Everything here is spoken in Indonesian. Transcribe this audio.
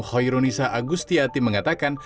hoironisa agustiati mengatakan